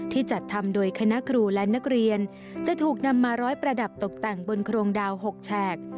จัดทำโดยคณะครูและนักเรียนจะถูกนำมาร้อยประดับตกแต่งบนโครงดาว๖แฉก